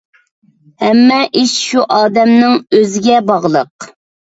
ھەممە ئىش شۇ ئادەمنىڭ ئۆزىگە باغلىق.